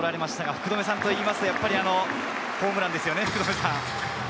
福留さんというと、あのホームランですよね。